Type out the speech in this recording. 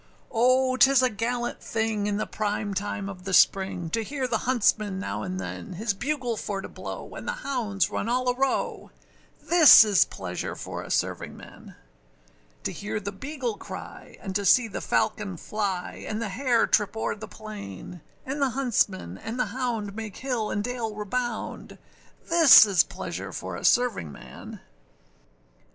O âtis a gallant thing in the prime time of the spring, To hear the huntsman now and than His bugle for to blow, and the hounds run all a row: This is pleasure for a servingman! To hear the beagle cry, and to see the falcon fly, And the hare trip over the plain, And the huntsmen and the hound make hill and dale rebound: This is pleasure for a servingman!